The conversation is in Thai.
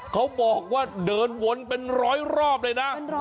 เขาบอกว่าเดินวนเป็นร้อยรอบเลยนะ